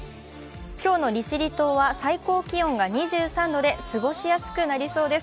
今日の利尻島は最高気温が２３度で過ごしやすくなりそうです。